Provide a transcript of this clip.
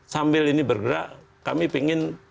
sambil ini bergerak kami ingin